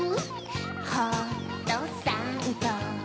ホットサンド